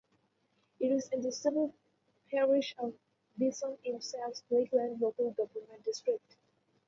It is in the civil parish of Beetham in South Lakeland local government district.